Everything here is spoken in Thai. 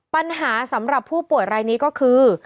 ปัญหาสำหรับผู้ป่วยรายนี้ก็คือ